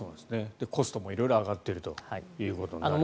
コストも色々上がっているということですね。